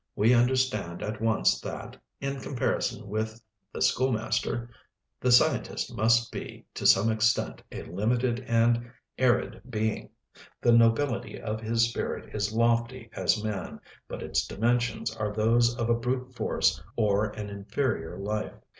We understand at once that, in comparison with the schoolmaster, the scientist must be to some extent a limited and arid being. The nobility of his spirit is lofty as man, but its dimensions are those of a brute force or an inferior life.